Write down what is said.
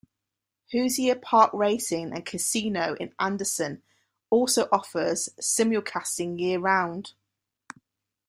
Hoosier Park Racing and Casino in Anderson also offers simulcasting year-round.